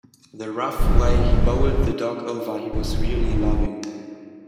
The rough way he bowled the dog over was really loving.